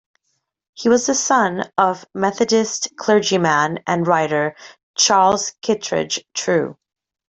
He was the son of Methodist clergyman and writer Charles Kittredge True.